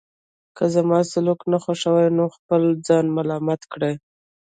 که زما سلوک نه خوښوئ نو خپل ځان ملامت کړئ.